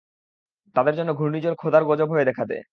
তাদের জন্য ঘূর্ণিঝড় খোদার গজব হয়ে দেখা দেয়।